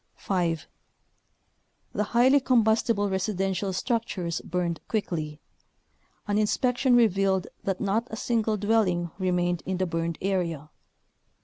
5. The highly combustible residential struc tures burned quickly. An inspection revealed that not a single dwelling remained in the burned area.